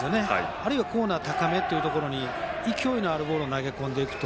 あるいはコーナー高めというところに勢いのあるボールを投げ込んでいくと。